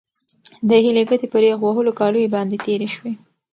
د هیلې ګوتې پر یخ وهلو کالیو باندې تېرې شوې.